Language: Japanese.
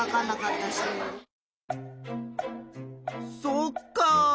そっか。